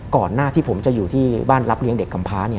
ก่อนหน้าที่ผมจะอยู่ที่บ้านรับเลี้ยงเด็กกำพ้า